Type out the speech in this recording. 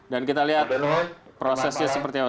dan kita lihat prosesnya seperti apa